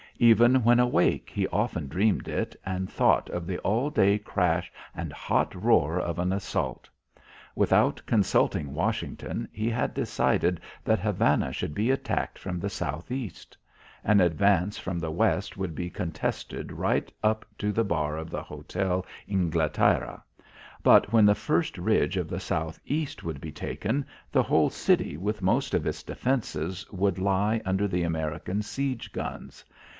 Even when awake, he often dreamed it and thought of the all day crash and hot roar of an assault. Without consulting Washington, he had decided that Havana should be attacked from the south east. An advance from the west could be contested right up to the bar of the Hotel Inglaterra, but when the first ridge in the south east would be taken, the whole city with most of its defences would lie under the American siege guns.